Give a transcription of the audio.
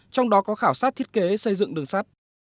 trong đó có khảo sát thiết kế xây dựng đường sắt